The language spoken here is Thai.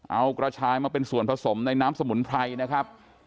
เอากระชายมาเป็นส่วนผสมในน้ำสมุนไพรนะครับ